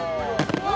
うわ！